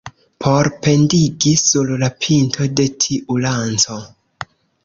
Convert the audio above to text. Por pendigi sur la pinto de tiu lanco.